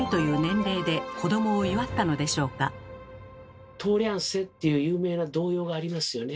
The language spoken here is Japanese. でも「とおりゃんせ」っていう有名な童謡がありますよね。